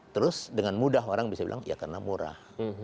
terus dengan mudah orang bisa bilang ya karena murah